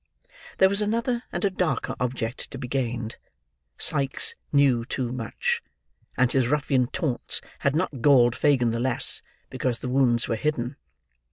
There was another, and a darker object, to be gained. Sikes knew too much, and his ruffian taunts had not galled Fagin the less, because the wounds were hidden.